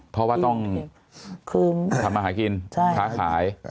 เพราะว่าต้องคืนทำมาหากินค้าขาย